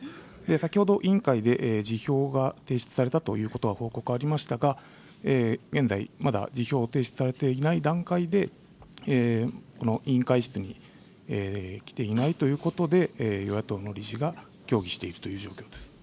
先ほど委員会で辞表が提出されたということは報告ありましたが、現在、まだ辞表を提出されていない段階で、この委員会室に来ていないということで、与野党の理事が協議しているという状況です。